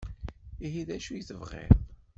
Ihi d acu i tebɣiḍ?